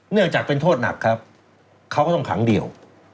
เนื่องจากเป็นโทษหนักครับเขาก็ต้องขังเดียว